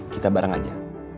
kita bareng aja